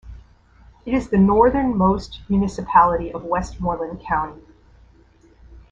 It is the northern most municipality of Westmoreland County.